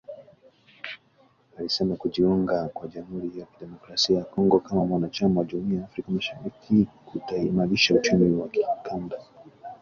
Alisema kujiunga kwa Jamuhuri ya Kidemokrasia ya Kongo kama mwanachama wa Jumuiya ya Afrika Mashariki kutaimarisha uchumi wa kikanda